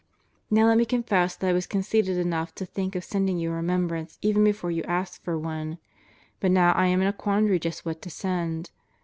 Now let me confess that I was conceited enough to think of sending you a remembrance even before you asked for one. But now I am in a quandry just what to send.